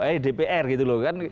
eh dpr gitu loh kan